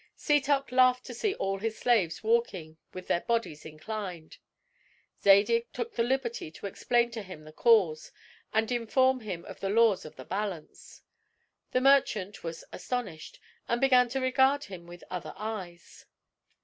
Setoc laughed to see all his slaves walking with their bodies inclined. Zadig took the liberty to explain to him the cause, and inform him of the laws of the balance. The merchant was astonished, and began to regard him with other eyes.